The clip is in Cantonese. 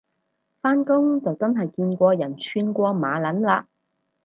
返工就真係見過人串過馬撚嘞